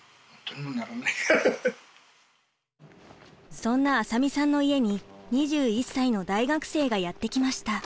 そんな浅見さんの家に２１歳の大学生がやって来ました。